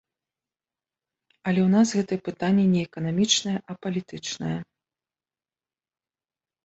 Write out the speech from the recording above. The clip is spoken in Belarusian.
Але ў нас гэтае пытанне не эканамічнае, а палітычнае.